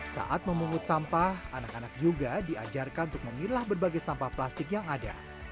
saat memungut sampah anak anak juga diajarkan untuk memilah berbagai sampah plastik yang ada